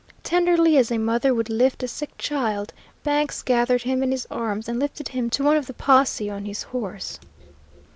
Tenderly as a mother would lift a sick child, Banks gathered him in his arms and lifted him to one of the posse on his horse.